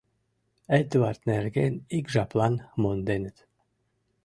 Эдвард нерген ик жаплан монденыт.